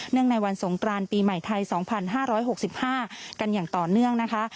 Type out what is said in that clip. เนื่องในวันสงกรานปีใหม่ไทยสองพันห้าร้อยหกสิบห้ากันอย่างต่อเนื่องนะคะ